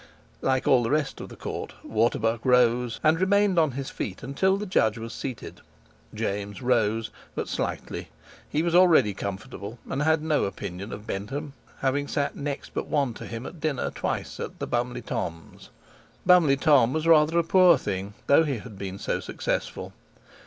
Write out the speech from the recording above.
Like all the rest of the court, Waterbuck rose, and remained on his feet until the judge was seated. James rose but slightly; he was already comfortable, and had no opinion of Bentham, having sat next but one to him at dinner twice at the Bumley Tomms'. Bumley Tomm was rather a poor thing, though he had been so successful.